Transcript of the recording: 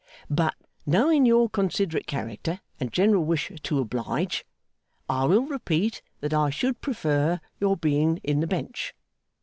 But, knowing your considerate character and general wish to oblige, I will repeat that I should prefer your being in the Bench.